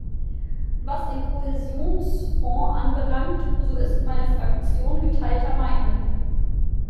Was den Kohäsionsfonds anbelangt, so ist meine Fraktion geteilter Meinung.